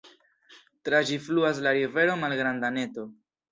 Tra ĝi fluas la rivero Malgranda Neto.